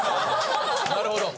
なるほど。